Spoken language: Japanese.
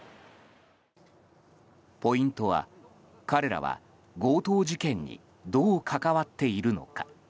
ポイントは彼らは強盗事件にどう関わっているのか。